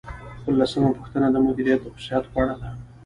اوولسمه پوښتنه د مدیریت د خصوصیاتو په اړه ده.